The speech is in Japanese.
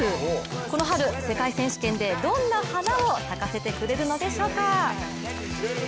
この春、世界選手権でどんな花を咲かせてくれるのでしょうか。